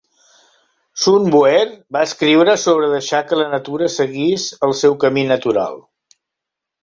Sun Bu'er va escriure sobre deixar que la natura seguís el seu camí natural.